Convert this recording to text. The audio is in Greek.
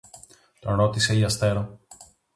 τον ρώτησε η Αστέρω